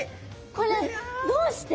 これどうして？